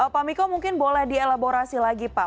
pak miko mungkin boleh dielaborasi lagi pak